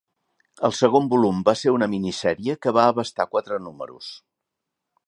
El segon volum va ser una minisèrie, que va abastar quatre números.